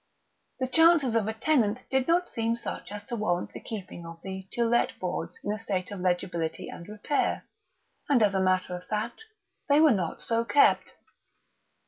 The chances of a tenant did not seem such as to warrant the keeping of the "To Let" boards in a state of legibility and repair, and as a matter of fact they were not so kept.